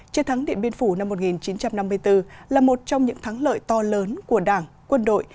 chiến thắng điện biên phủ năm một nghìn chín trăm năm mươi bốn là một trong những thắng lợi to lớn của đảng quân đội